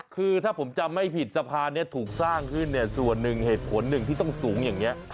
คือถ้าผมจำไม่ผิดสะพานนี้ถูกสร้างขึ้นเนี่ยส่วนหนึ่งเหตุผลหนึ่งที่ต้องสูงอย่างนี้